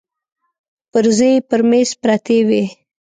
پرزې يې پر مېز پرتې وې.